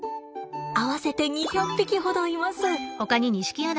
合わせて２００匹ほどいます。